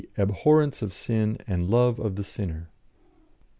abhorrence of sin, and love of the sinner_.